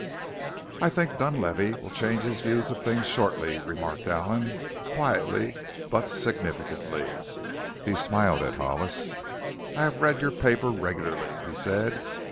"I think Dunlavey will change his views of things shortly," remarked Allen, quietly, but significantly. He smiled at Hollis. "I have read your paper regularly," he said.